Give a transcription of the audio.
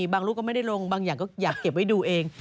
ลูกก็ไม่ได้ลงบางอย่างก็อยากเก็บไว้ดูเอง